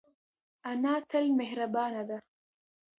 انا تل مهربانه ده